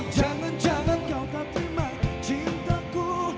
jangan jangan kau akan terima cintaku